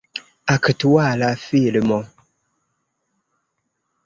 Aktuala filmo.